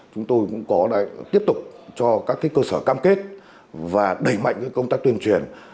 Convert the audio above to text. chúng tôi cũng tiếp tục cho các cơ sở cam kết và đẩy mạnh công tác tuyên truyền